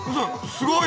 すごい！